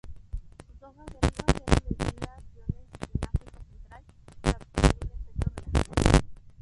Sus hojas eran bebidas en infusiones en África Central, para obtener un efecto relajante.